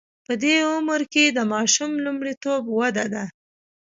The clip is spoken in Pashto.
په دې عمر کې د ماشوم لومړیتوب وده ده.